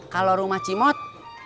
kalau rumah cimot